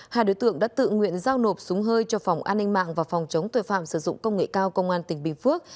hai đối tượng đã tự nguyện giao nộp súng hơi cho phòng an ninh mạng và phòng chống tội phạm sử dụng công nghệ cao công an tỉnh bình phước